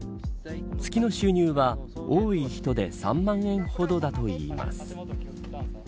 月の収入は多い人で３万円ほどだといいます。